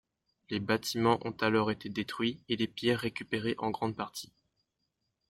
Les bâtiments ont alors été détruits et les pierres récupérées en grande partie.